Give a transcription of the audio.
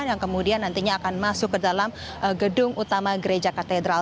yang kemudian nantinya akan masuk ke dalam gedung utama gereja katedral